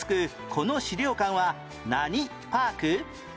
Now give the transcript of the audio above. この資料館は何パーク？